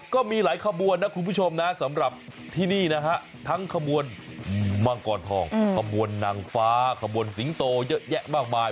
ก็มีหลายขบวนนะคุณผู้ชมนะสำหรับที่นี่นะฮะทั้งขบวนมังกรทองขบวนนางฟ้าขบวนสิงโตเยอะแยะมากมาย